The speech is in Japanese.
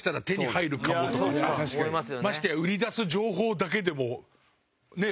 ましてや売り出す情報だけでもね